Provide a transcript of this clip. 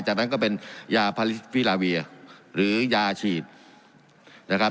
จากนั้นก็เป็นยาพาลิสวิลาเวียหรือยาฉีดนะครับ